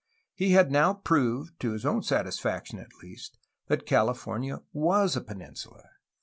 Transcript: He had now proved, to his own satisfaction at least, that California was a peninsula.